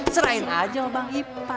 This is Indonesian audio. serahin aja bang ipan